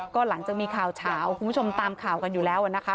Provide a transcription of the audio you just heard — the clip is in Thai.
ก็หลังจากมีข่าวเฉาคุณผู้ชมตามข่าวกันอยู่แล้วนะคะ